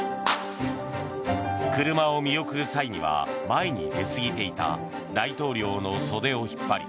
車を見送る際には前に出すぎていた大統領の袖を引っ張り